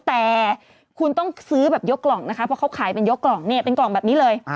แต่คุณต้องซื้อแบบยกกล่องนะคะเพราะเขาขายเป็นยกกล่องเนี่ยเป็นกล่องแบบนี้เลย